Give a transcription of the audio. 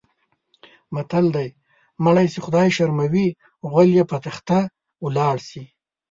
متل دی: مړی چې خدای شرموي غول یې په تخته ولاړ شي.